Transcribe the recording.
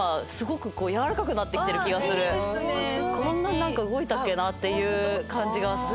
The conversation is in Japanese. こんなに動いたっけなっていう感じがする。